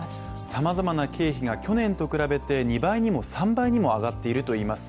様々な経費が去年と比べて２倍にも３倍にも上がっているといいます。